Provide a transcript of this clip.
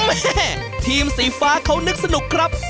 แม่ทีมสีฟ้าเขานึกสนุกครับ